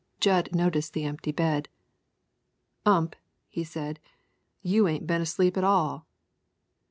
Jud noticed the empty bed. "Ump," he said, "you ain't been asleep at all."